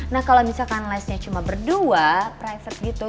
nah kalau misalkan lesnya cuma berdua private gitu